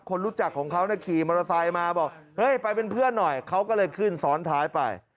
คนรู้จักของเขาขี่มอเตอร์ไซค์มาบอกเฮ้ยไปเป็นเพื่อนหน่อยเขาก็เลยขึ้นซ้อนท้ายไป